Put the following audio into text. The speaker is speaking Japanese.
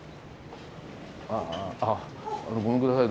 ああごめんください